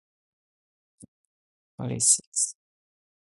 The rate for other forms of mutation also differs greatly from point mutations.